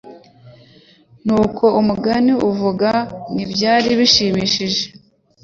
Nk'uko umugani ubivuga ntibyari bishimishije